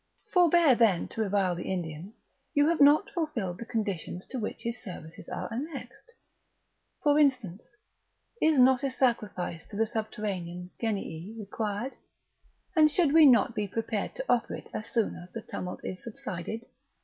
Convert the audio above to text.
forbear then to revile the Indian; you have not fulfilled the conditions to which his services are annexed; for instance, is not a sacrifice to the subterranean Genii required? and should we not be prepared to offer it as soon as the tumult is subsided?